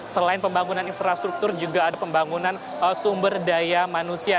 selain pembangunan infrastruktur juga ada pembangunan sumber daya manusia